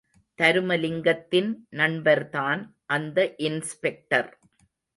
தருமலிங்கத்தின் நண்பர்தான் அந்த இன்ஸ்பெக்டர்.